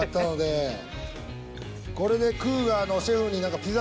これで。